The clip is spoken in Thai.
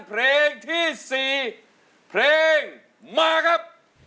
เพลงที่๔เพลงมาครับ